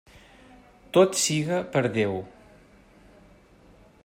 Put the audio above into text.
Tot siga per Déu!